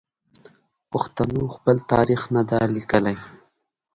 پښتنو خپل تاریخ نه دی لیکلی.